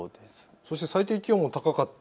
そして最低気温も高かった。